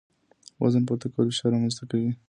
وزن پورته کول فشار رامنځ ته کوي.